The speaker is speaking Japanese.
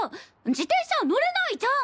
自転車乗れないじゃん！